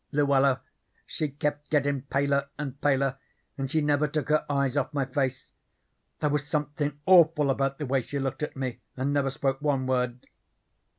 "Luella she kept gettin' paler and paler, and she never took her eyes off my face. There was somethin' awful about the way she looked at me and never spoke one word.